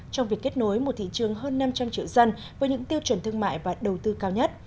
trong việc kết nối một thị trường hơn năm trăm linh triệu dân với những tiêu chuẩn thương mại và đầu tư cao nhất